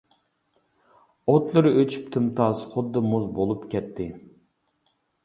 ئوتلىرى ئۆچۈپ تىمتاس، خۇددى مۇز بولۇپ كەتتى.